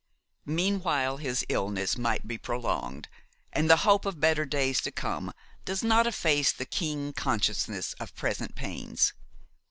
Meanwhile his illness might be prolonged, and the hope of better days to come does not efface the keen consciousness of present pains.